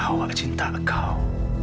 awak cinta kau